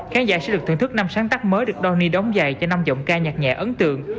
khán giả sẽ được thưởng thức năm sáng tắt mới được donny đóng dài cho năm giọng ca nhạc nhạc ấn tượng